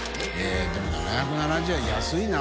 任７７０円安いな。